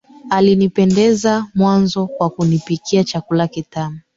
Alinipendeza mwanzo kwa kunipikia chakula kitamu